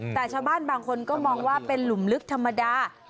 แต่ชาวบ้านบางคนก็มองว่าเป็นหลุมลึกธรรมดา